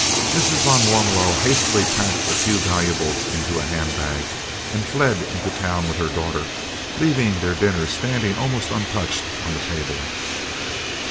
Mrs. van Warmelo hastily packed a few valuables into a hand bag, and fled into town with her daughter, leaving their dinner standing almost untouched on the table.